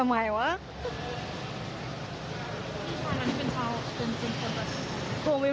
ผมยังอยากรู้ว่าว่ามันไล่ยิงคนทำไมวะ